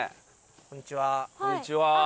こんにちは。